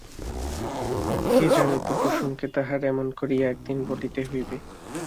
কে জানিত কুসুমকে তাহার এমন করিয়া একদিন বলিতে হইবে।